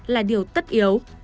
là điều tất yếu